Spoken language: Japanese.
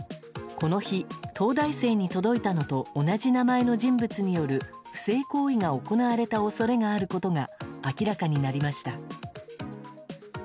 この日、東大生に届いたのと同じ名前の人物による不正行為が行われた恐れがあることが明らかになりました。